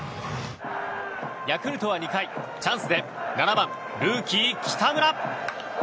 ヤクルトは２回、チャンスで７番、ルーキー北村。